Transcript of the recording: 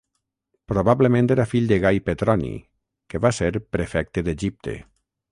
Probablement era fill de Gai Petroni, que va ser Prefecte d’Egipte.